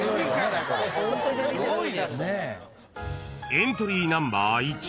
［エントリーナンバー１］